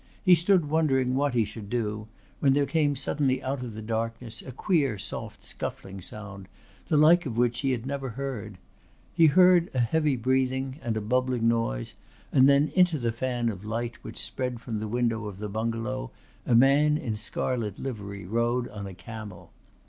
He stood wondering what he should do, when there came suddenly out of the darkness a queer soft scuffling sound, the like of which he had never heard. He heard a heavy breathing and a bubbling noise and then into the fan of light which spread from the window of the bungalow a man in a scarlet livery rode on a camel.